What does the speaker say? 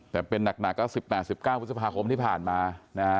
แต่เป็นหนักก็๑๘๑๙พฤษภาคมที่ผ่านมานะฮะ